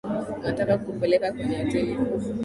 Nataka kukupeleka kwenye hoteli kubwa.